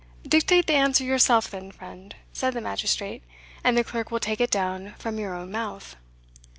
"Dictate the answer yourself then, friend," said the magistrate, "and the clerk will take it down from your own mouth."